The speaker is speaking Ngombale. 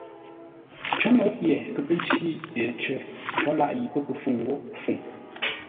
Có nou pye kə pə́ ncí cər cǒ làʼ yi pə́ kə fúŋ ńgó Fuŋ.